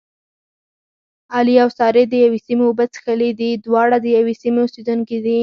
علي او سارې دیوې سیمې اوبه څښلې دي. دواړه د یوې سیمې اوسېدونکي دي.